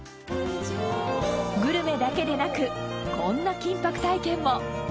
グルメだけでなくこんな金箔体験も。